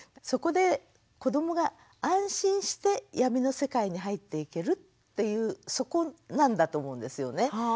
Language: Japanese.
そこで子どもが安心して闇の世界に入っていけるっていうそこなんだと思うんですよね。